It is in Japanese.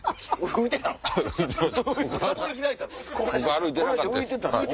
歩いてなかったです。